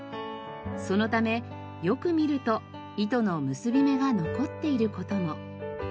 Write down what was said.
そのためよく見ると糸の結び目が残っている事も。